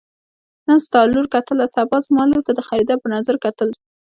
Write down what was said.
نن ستا لور کتله سبا زما لور ته د خريدار په نظر کتل.